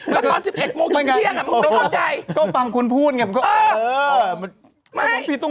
แล้วตอน๑๑โมงถึงเที่ยงมึงไม่เข้าใจก็ฟังคุณพูดไง